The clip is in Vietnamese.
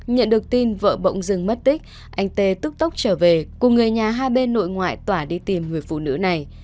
nhận được tin vợ bỗng dưng mất tích anh tê tức tốc trở về cùng người nhà hai bên nội ngoại tỏa đi tìm người phụ nữ này